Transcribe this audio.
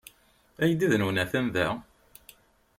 Aydi-nwen atan da.